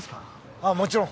ああもちろん。